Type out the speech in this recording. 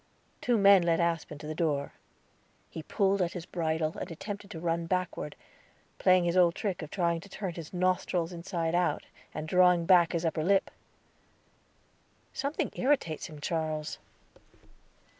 Two men led Aspen to the door. He pulled at his bridle, and attempted to run backward, playing his old trick of trying to turn his nostrils inside out, and drawing back his upper lip. "Something irritates him, Charles."